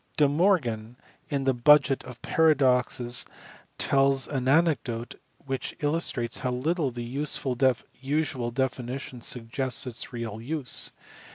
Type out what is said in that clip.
De Morgan in the Budget of Paradoxes tells an anecdote which illustrates how little the usual definition suggests its real use.